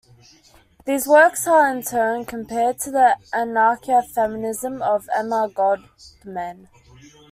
These works are, in turn, compared to the anarcha-feminism of Emma Goldman.